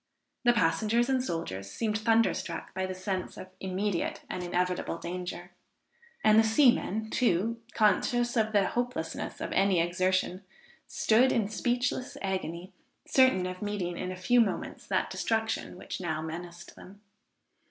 The passengers and soldiers seemed thunderstruck by the sense of immediate and inevitable danger, and the seamen, too conscious of the hopelessness of any exertion, stood in speechless agony, certain of meeting in a few moments that destruction which now menaced them.